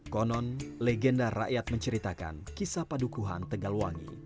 konon legenda rakyat menceritakan kisah padukuhan tegalwangi